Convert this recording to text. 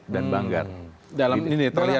dan banggar dalam ini terlihat ya